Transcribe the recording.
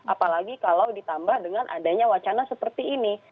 apalagi kalau ditambah dengan adanya wacana seperti ini